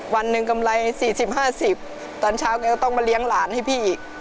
วันหนึ่งกำไร๔๐๕๐ตอนเช้าแกก็ต้องมาเลี้ยงหลานให้พี่อีก